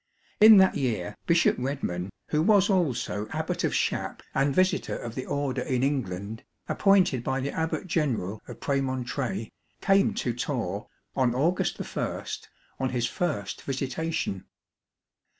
In that year Bishop Redman, who was also Abbot of Shapp TORRE ABBEY and visitor of the Order in England, appointed by the abbot general of Premontre, came to Torre, on August I, on his first visitation.